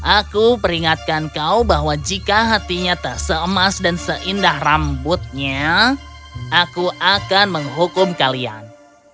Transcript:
aku peringatkan kau bahwa jika hatinya tak seemas dan seindah rambutnya aku akan menghukum kalian